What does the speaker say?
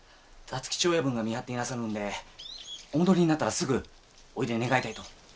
辰吉親分が見張っていなさるんでお戻りになったらすぐおいで願いたいと。